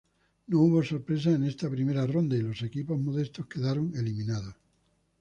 No hubo sorpresas en esta primera ronda y los equipos modestos quedaron eliminados.